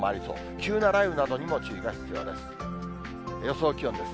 急な雷雨などにも注意が必要です。